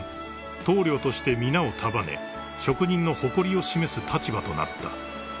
［棟りょうとして皆を束ね職人の誇りを示す立場となった］